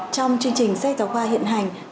trong chương trình sách giáo khoa hiện hành